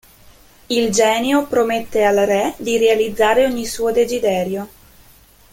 Il genio promette al re di realizzare ogni suo desiderio.